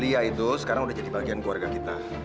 iya itu sekarang udah jadi bagian keluarga kita